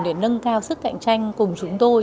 để nâng cao sức cạnh tranh cùng chúng tôi